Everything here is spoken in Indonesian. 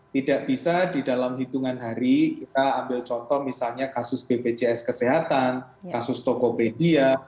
tidak bisa di dalam hitungan hari kita ambil contoh misalnya kasus bpjs kesehatan kasus tokopedia